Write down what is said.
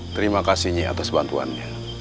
terima kasih nyi atas bantuannya